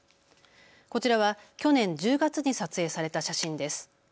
こちらは去年１０月に撮影された写真です。